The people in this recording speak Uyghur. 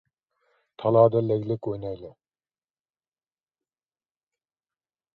تالادا لەگلەك ئوينايلى.